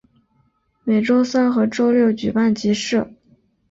每周三和周六举办集市。